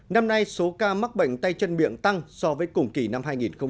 năm nay số ca mắc bệnh tay chân miệng tăng so với cùng kỳ năm hai nghìn một mươi tám